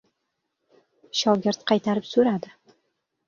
Shogird kaytarib so‘radi: